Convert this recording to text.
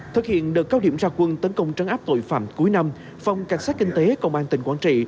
thực hiện đợt cao điểm ra quân tấn công trấn áp tội phạm cuối năm phòng cảnh sát kinh tế công an tỉnh quảng trị